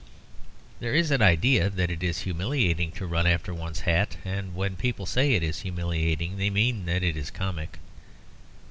There is an idea that it is humiliating to run after one's hat; and when people say it is humiliating they mean that it is comic.